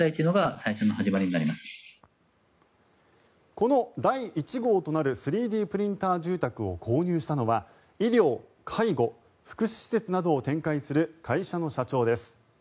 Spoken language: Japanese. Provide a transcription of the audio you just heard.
この第１号となる３Ｄプリンター住宅を購入したのは医療・介護・福祉施設などを展開する会社の社長です。